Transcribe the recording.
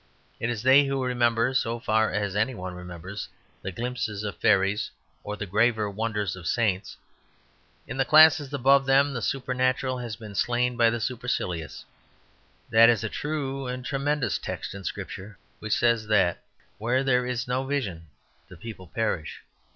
It is they who remember, so far as any one remembers, the glimpses of fairies or the graver wonders of saints. In the classes above them the supernatural has been slain by the supercilious. That is a true and tremendous text in Scripture which says that "where there is no vision the people perish."